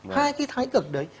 hai cái thái cực đấy